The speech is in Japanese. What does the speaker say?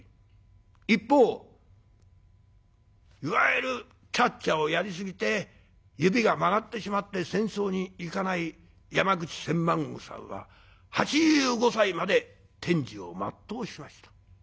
一方いわゆるキャッチャーをやりすぎて指が曲がってしまって戦争に行かない山口千万石さんは８５歳まで天寿を全うしました。